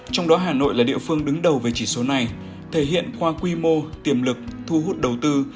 trong đó hà nội là địa phương đứng đầu về chỉ số này thể hiện qua quy mô tiềm lực thu hút đầu tư